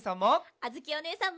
あづきおねえさんも！